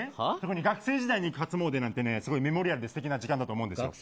学生時代に行く初詣なんてメモリアルですてきな時間だと思います。